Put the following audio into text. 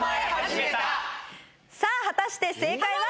果たして正解は？